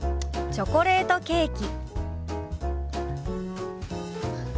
「チョコレートケーキ」。